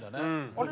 あれ？